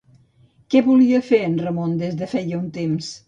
Què volia fer en Ramon des de feia un temps?